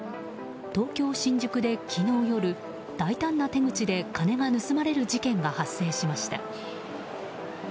東京・新宿で昨日夜、大胆な手口で金が盗まれる事件が発生しました。